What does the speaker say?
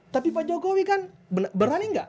tapi pak jokowi kan berani enggak